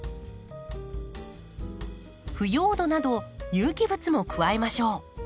腐葉土など有機物も加えましょう。